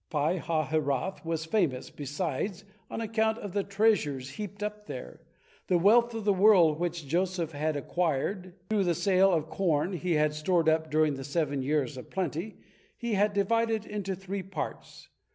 Pi hahiroth was famous, besides, on account of the treasures heaped up there. The wealth of the world which Joseph had acquired through the sale of corn he had stored up during the seven years of plenty, he had divided into three parts.